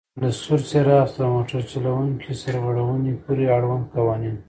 له سور څراغ څخه د موټر چلوونکي سرغړونې پورې آړوند قوانین: